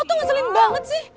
tuh ngeselin banget sih